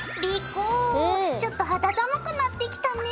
莉子ちょっと肌寒くなってきたね。